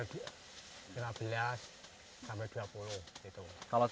kalau sebelum menggunakan pupuk organik